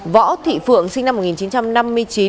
võ thị phượng sinh năm một nghìn chín trăm năm mươi chín